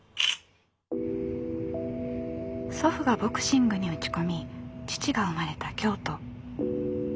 祖父がボクシングに打ち込み父が生まれた京都。